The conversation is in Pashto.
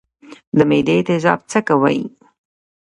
د معدې تیزاب څه کوي؟